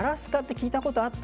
聞いたことはあった？